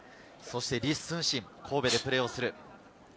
李承信、神戸でプレーをする。